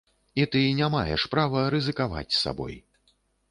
І ты не маеш права рызыкаваць сабой.